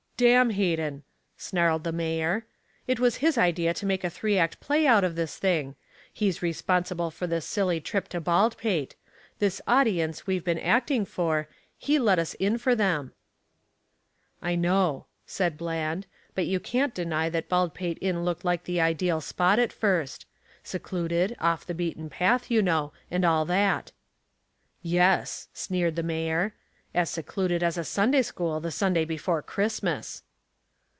"Damn Hayden!" snarled the mayor. "It was his idea to make a three act play out of this thing. He's responsible for this silly trip to Baldpate. This audience we've been acting for he let us in for them." "I know," said Bland. "But you can't deny that Baldpate Inn looked like the ideal spot at first. Secluded, off the beaten path, you know, and all that." "Yes," sneered the mayor, "as secluded as a Sunday school the Sunday before Christmas."